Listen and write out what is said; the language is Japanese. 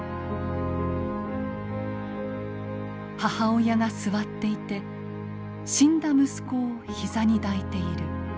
「母親が座っていて死んだ息子を膝に抱いている。